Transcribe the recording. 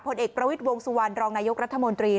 เอกประวิทย์วงสุวรรณรองนายกรัฐมนตรี